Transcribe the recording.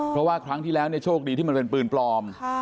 เพราะว่าครั้งที่แล้วโชคดีที่มันเป็นปืนปลอม